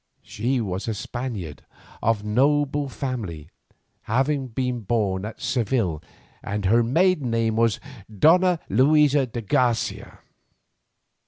She was a Spaniard of noble family, having been born at Seville, and her maiden name was Donna Luisa de Garcia.